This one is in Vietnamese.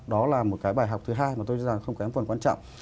đó là một cái bài học thứ hai mà tôi cho rằng không kém phần quan trọng